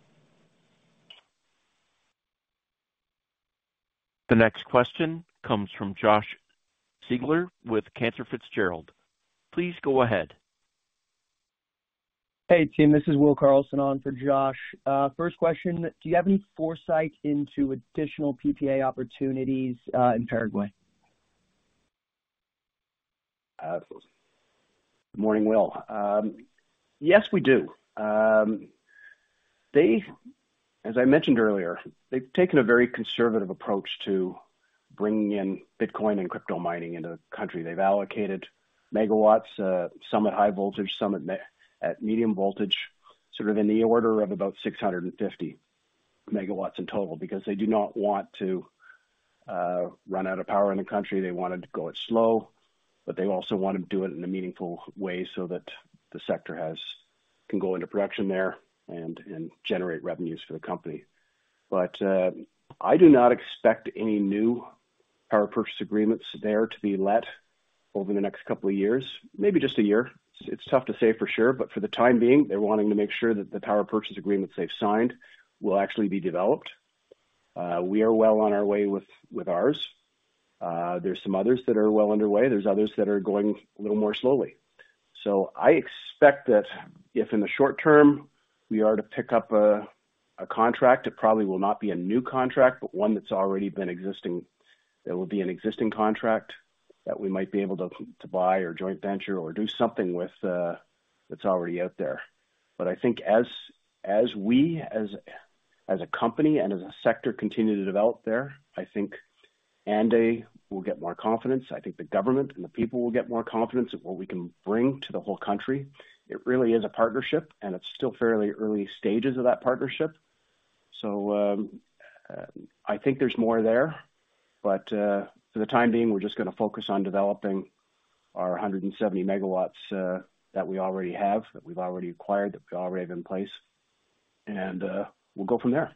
The next question comes from Josh Siegler with Cantor Fitzgerald. Please go ahead. Hey, team. This is Will Carlson on for Josh. First question, do you have any foresight into additional PPA opportunities in Paraguay? Good morning, Will. Yes, we do. As I mentioned earlier, they've taken a very conservative approach to bringing in Bitcoin and crypto mining into the country. They've allocated megawatts, some at high voltage, some at medium voltage, sort of in the order of about 650 MW in total because they do not want to run out of power in the country. They want to go it slow, but they also want to do it in a meaningful way so that the sector can go into production there and generate revenues for the company. But I do not expect any new power purchase agreements there to be let over the next couple of years, maybe just a year. It's tough to say for sure. But for the time being, they're wanting to make sure that the power purchase agreements they've signed will actually be developed. We are well on our way with ours. There's some others that are well underway. There's others that are going a little more slowly. So I expect that if in the short term we are to pick up a contract, it probably will not be a new contract, but one that's already been existing. It will be an existing contract that we might be able to buy or joint venture or do something with that's already out there. But I think as we, as a company and as a sector, continue to develop there, I think ANDE will get more confidence. I think the government and the people will get more confidence in what we can bring to the whole country. It really is a partnership, and it's still fairly early stages of that partnership. So I think there's more there. But for the time being, we're just going to focus on developing our 170 MW that we already have, that we've already acquired, that we already have in place, and we'll go from there.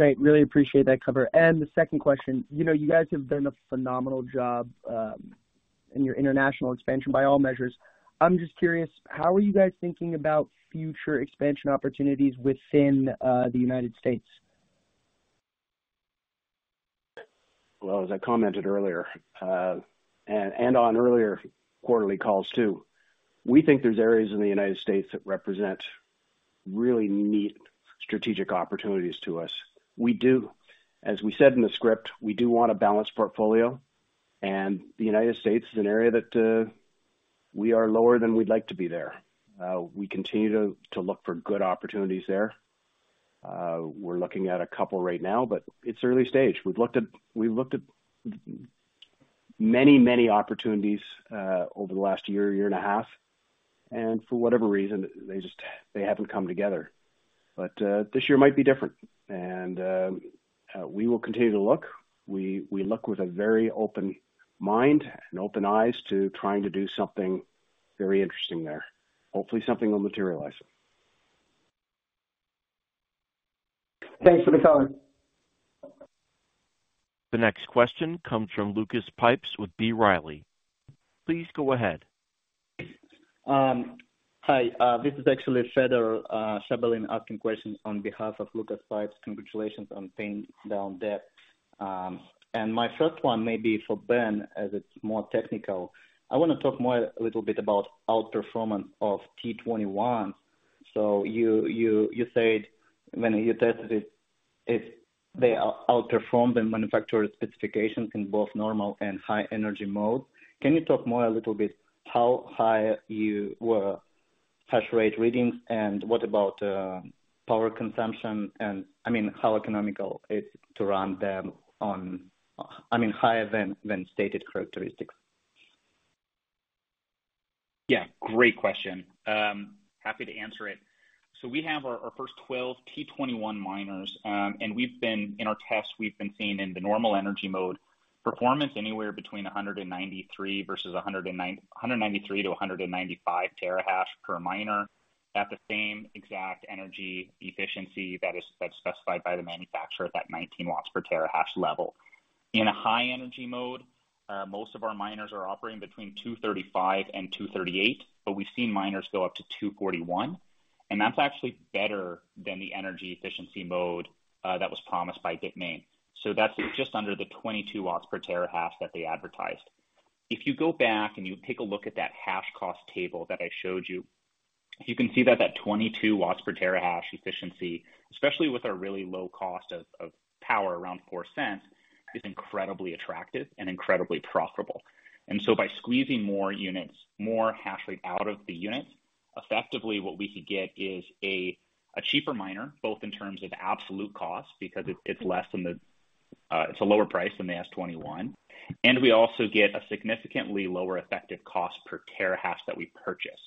Great. Really appreciate that cover. And the second question, you guys have done a phenomenal job in your international expansion by all measures. I'm just curious, how are you guys thinking about future expansion opportunities within the United States? Well, as I commented earlier and on earlier quarterly calls too, we think there's areas in the United States that represent really neat strategic opportunities to us. As we said in the script, we do want a balanced portfolio, and the United States is an area that we are lower than we'd like to be there. We continue to look for good opportunities there. We're looking at a couple right now, but it's early stage. We've looked at many, many opportunities over the last year, year and a half, and for whatever reason, they haven't come together. But this year might be different, and we will continue to look. We look with a very open mind and open eyes to trying to do something very interesting there, hopefully something will materialize. Thanks for the cover. The next question comes from Lucas Pipes with B. Riley. Please go ahead. Hi. This is actually Fedor Shabalin asking questions on behalf of Lucas Pipes. Congratulations on painting down there. And my first one may be for Ben as it's more technical. I want to talk more a little bit about outperformance of T21s. So you said when you tested it, they outperform the manufacturer's specifications in both normal and high-energy modes. Can you talk more a little bit how high you were hash rate readings and what about power consumption and, I mean, how economical it's to run them on, I mean, higher than stated characteristics? Yeah. Great question. Happy to answer it. So we have our first 12 T21 miners, and in our tests, we've been seeing in the normal energy mode performance anywhere between 193-195 terahash per miner at the same exact energy efficiency that's specified by the manufacturer at that 19 W per terahash level. In a high-energy mode, most of our miners are operating between 235-238, but we've seen miners go up to 241. And that's actually better than the energy efficiency mode that was promised by Bitmain. So that's just under the 22 W per terahash that they advertised. If you go back and you take a look at that hash cost table that I showed you, you can see that that 22 watts per terahash efficiency, especially with our really low cost of power around $0.04, is incredibly attractive and incredibly profitable. And so by squeezing more units, more hash rate out of the unit, effectively, what we could get is a cheaper miner, both in terms of absolute cost because it's less than the it's a lower price than the S21. And we also get a significantly lower effective cost per terahash that we purchase.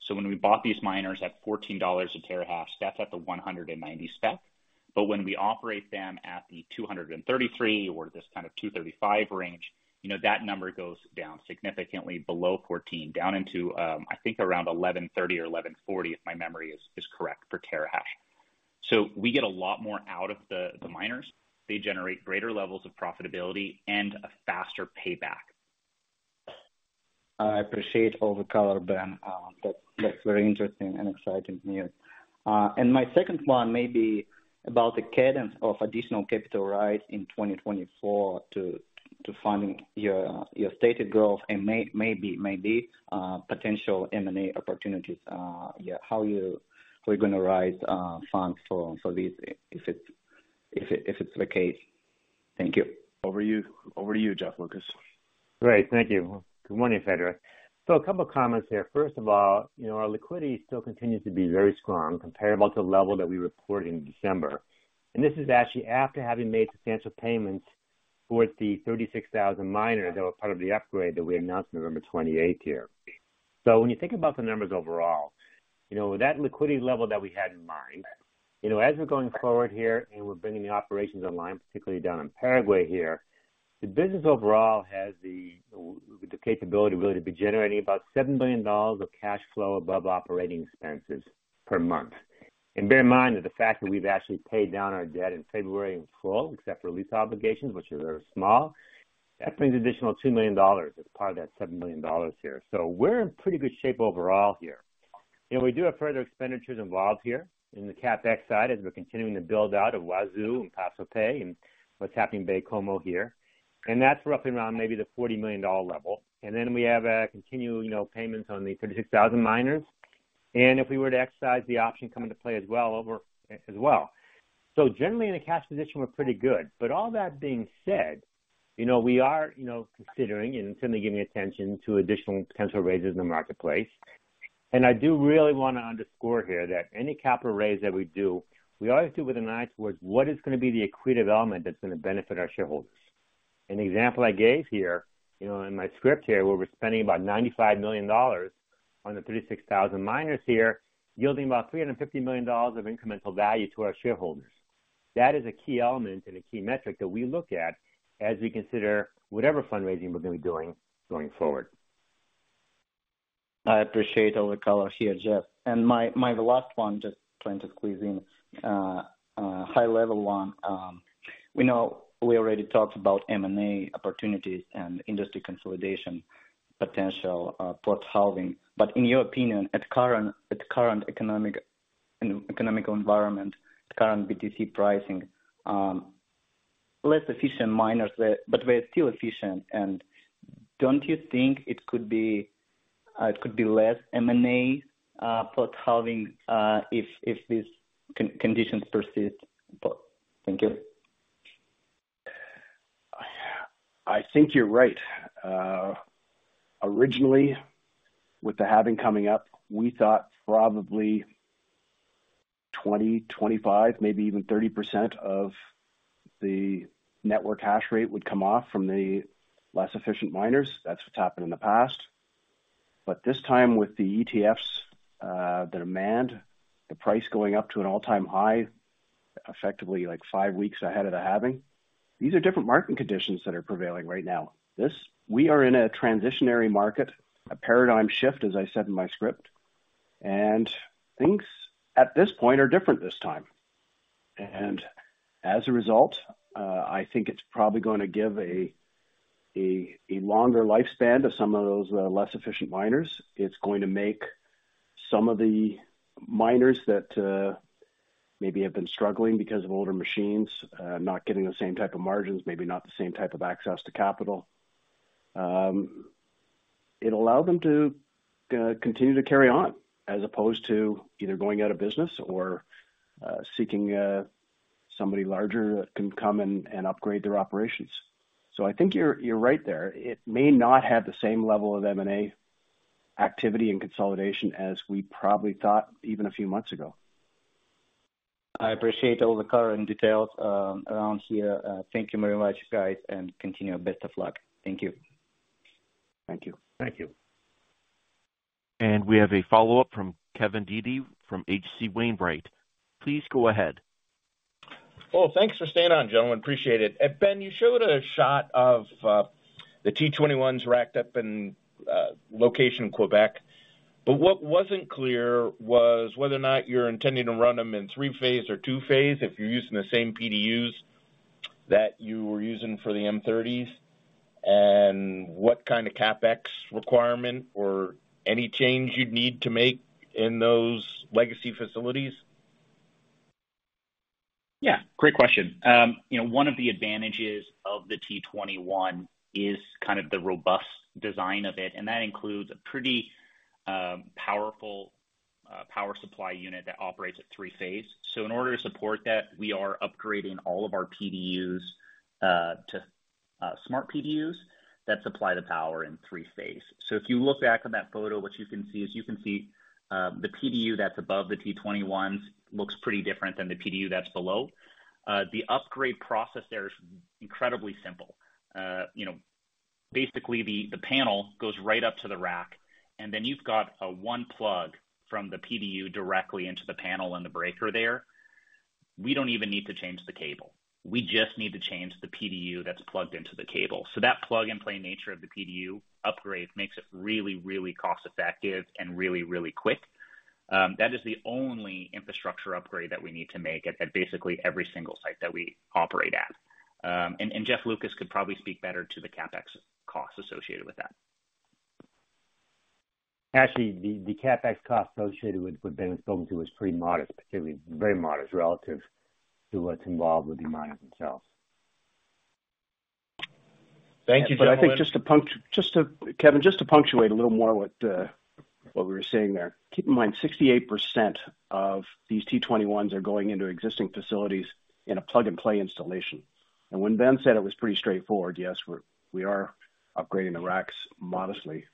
So when we bought these miners at $14 a terahash, that's at the 190 spec. But when we operate them at the 233 or this kind of 235 range, that number goes down significantly below 14, down into, I think, around $11.30 or $11.40, if my memory is correct, per terahash. So we get a lot more out of the miners. They generate greater levels of profitability and a faster payback. I appreciate all the color, Ben. That's very interesting and exciting news. And my second one may be about the cadence of additional capital rights in 2024 to funding your stated growth and maybe potential M&A opportunities, how we're going to raise funds for these if it's the case. Thank you. Over to you, Jeff Lucas. Great. Thank you. Good morning, Fedor. So a couple of comments here. First of all, our liquidity still continues to be very strong comparable to the level that we reported in December. And this is actually after having made substantial payments towards the 36,000 miners that were part of the upgrade that we announced November 28th here. So when you think about the numbers overall, with that liquidity level that we had in mind, as we're going forward here and we're bringing the operations online, particularly down in Paraguay here, the business overall has the capability really to be generating about $7 billion of cash flow above operating expenses per month. And bear in mind that the fact that we've actually paid down our debt in February and fall, except for lease obligations, which are very small, that brings additional $2 million as part of that $7 million here. So we're in pretty good shape overall here. We do have further expenditures involved here in the CapEx side as we're continuing to build out Yguazú and Paso Pe and what's happening in Baie-Comeau here. And that's roughly around maybe the $40 million level. And then we have continuing payments on the 36,000 miners. If we were to exercise the option coming to play as well. So generally, in a cash position, we're pretty good. But all that being said, we are considering and certainly giving attention to additional potential raises in the marketplace. And I do really want to underscore here that any capital raise that we do, we always do with an eye towards what is going to be the equity development that's going to benefit our shareholders. An example I gave here in my script here where we're spending about $95 million on the 36,000 miners here, yielding about $350 million of incremental value to our shareholders. That is a key element and a key metric that we look at as we consider whatever fundraising we're going to be doing going forward. I appreciate all the color here, Jeff. And my last one, just trying to squeeze in a high-level one. We already talked about M&A opportunities and industry consolidation potential, portfolio. But in your opinion, at current economic environment, current BTC pricing, less efficient miners, but they're still efficient. And don't you think it could be less M&A portfolio if these conditions persist? Thank you. I think you're right. Originally, with the halving coming up, we thought probably 20%, 25%, maybe even 30% of the network hash rate would come off from the less efficient miners. That's what's happened in the past. But this time, with the ETFs that demand, the price going up to an all-time high, effectively like five weeks ahead of the halving, these are different market conditions that are prevailing right now. We are in a transitionary market, a paradigm shift, as I said in my script. Things at this point are different this time. And as a result, I think it's probably going to give a longer lifespan to some of those less efficient miners. It's going to make some of the miners that maybe have been struggling because of older machines, not getting the same type of margins, maybe not the same type of access to capital, it allow them to continue to carry on as opposed to either going out of business or seeking somebody larger that can come and upgrade their operations. So I think you're right there. It may not have the same level of M&A activity and consolidation as we probably thought even a few months ago. I appreciate all the color and details around here. Thank you very much, guys, and continue best of luck. Thank you. Thank you. Thank you. And we have a follow-up from Kevin Dede from H.C. Wainwright. Please go ahead. Well, thanks for staying on, gentlemen. Appreciate it. Ben, you showed a shot of the T21s racked up in location in Quebec. But what wasn't clear was whether or not you're intending to run them in three-phase or two-phase, if you're using the same PDUs that you were using for the M30s, and what kind of CapEx requirement or any change you'd need to make in those legacy facilities. Yeah. Great question. One of the advantages of the T21 is kind of the robust design of it. And that includes a pretty powerful power supply unit that operates at three-phase. So in order to support that, we are upgrading all of our PDUs to smart PDUs that supply the power in three-phase. If you look back on that photo, what you can see is you can see the PDU that's above the T21s looks pretty different than the PDU that's below. The upgrade process there is incredibly simple. Basically, the panel goes right up to the rack, and then you've got one plug from the PDU directly into the panel and the breaker there. We don't even need to change the cable. We just need to change the PDU that's plugged into the cable. So that plug-and-play nature of the PDU upgrade makes it really, really cost-effective and really, really quick. That is the only infrastructure upgrade that we need to make at basically every single site that we operate at. Jeff Lucas could probably speak better to the CapEx cost associated with that. Actually, the CapEx cost associated with what Ben was speaking to was pretty modest, particularly very modest relative to what's involved with the miners themselves. Thank you, Jeff Lucas. But I think just to Kevin, just to punctuate a little more what we were seeing there, keep in mind 68% of these T21s are going into existing facilities in a plug-and-play installation. And when Ben said it was pretty straightforward, yes, we are upgrading the racks modestly,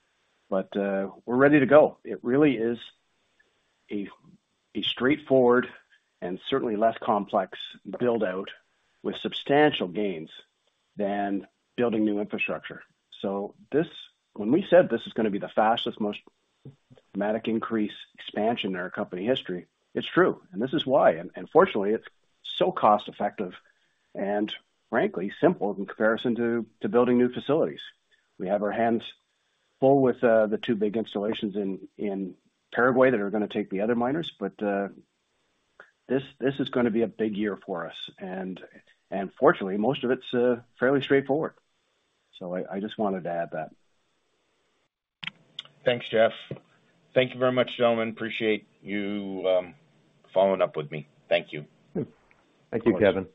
but we're ready to go. It really is a straightforward and certainly less complex buildout with substantial gains than building new infrastructure. So when we said this is going to be the fastest, most dramatic increase expansion in our company history, it's true. And this is why. And fortunately, it's so cost-effective and, frankly, simple in comparison to building new facilities. We have our hands full with the two big installations in Paraguay that are going to take the other miners, but this is going to be a big year for us. Fortunately, most of it's fairly straightforward. I just wanted to add that. Thanks, Jeff. Thank you very much, gentlemen. Appreciate you following up with me. Thank you. Thank you, Kevin.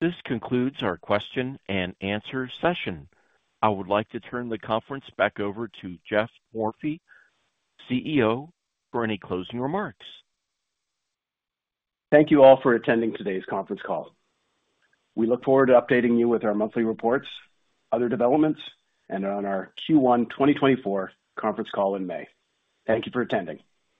This concludes our question and answer session. I would like to turn the conference back over to Geoff Morphy, CEO, for any closing remarks. Thank you all for attending today's conference call. We look forward to updating you with our monthly reports, other developments, and on our Q1 2024 conference call in May. Thank you for attending.